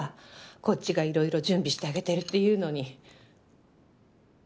こっちが色々準備してあげてるっていうのに。